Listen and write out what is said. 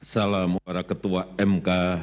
salam para ketua mk